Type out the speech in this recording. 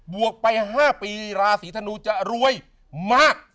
วกไป๕ปีราศีธนูจะรวยมาก